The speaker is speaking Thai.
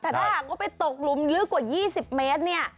แต่ถ้าหากว่าไปตกหลุมลึกกว่า๒๐เมตรเนี่ย